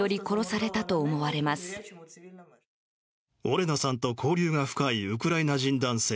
オレナさんと交流が深いウクライナ人男性。